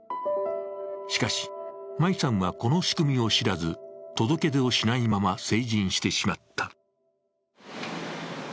しかし舞さんはこの仕組みを知らず届け出をしないまま成人してしまった。